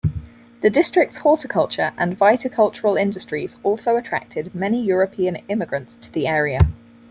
The district's horticulture and viticultural industries also attracted many European immigrants to the area.